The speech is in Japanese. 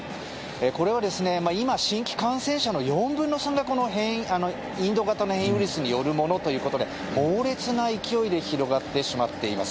これは今、新規感染者の４分の３がこのインド型の変異ウイルスによるものということで猛烈な勢いで広がってしまっています。